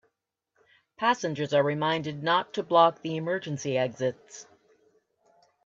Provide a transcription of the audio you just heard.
Passengers are reminded not to block the emergency exits.